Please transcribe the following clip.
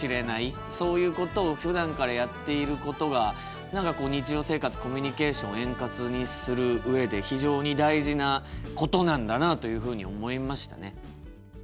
そういうことをふだんからやっていることが何かこう日常生活コミュニケーションを円滑にする上で非常に大事なことなんだなあというふうに思いましたね。